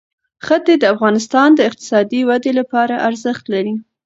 ښتې د افغانستان د اقتصادي ودې لپاره ارزښت لري.